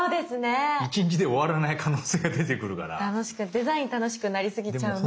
デザイン楽しくなりすぎちゃうのも。